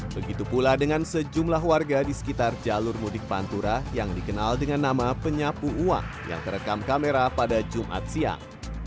begitu pula dengan sejumlah warga di sekitar jalur mudik pantura yang dikenal dengan nama penyapu uang yang terekam kamera pada jumat siang